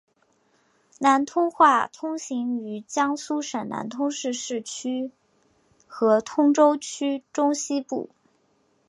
南通话通行于江苏省南通市市区和通州区中西部。